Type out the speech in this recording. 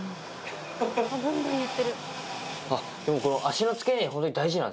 あっでもこの。